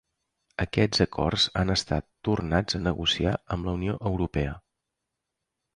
Aquests acords han estat tornats a negociar amb la Unió Europea.